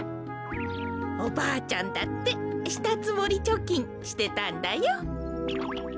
おばあちゃんだってしたつもりちょきんしてたんだよ。